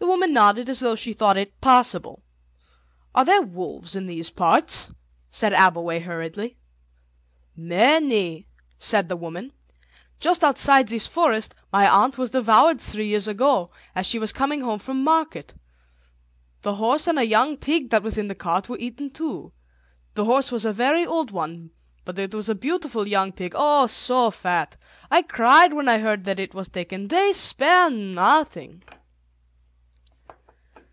The woman nodded as though she thought it possible. "Are there wolves in these parts?" asked Abbleway hurriedly. "Many," said the woman; "just outside this forest my aunt was devoured three years ago, as she was coming home from market. The horse and a young pig that was in the cart were eaten too. The horse was a very old one, but it was a beautiful young pig, oh, so fat. I cried when I heard that it was taken. They spare nothing."